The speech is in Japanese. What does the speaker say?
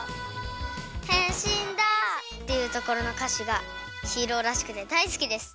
「変身だ」っていうところのかしがヒーローらしくてだいすきです。